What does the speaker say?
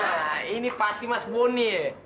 nah ini pasti mas boni